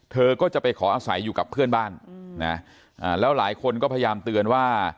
เธอก็จะไปขออาศัยอยู่กับเพื่อนบ้านนะแล้วหลายคนก็พยายามเตือนว่า